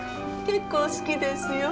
結構好きですよ。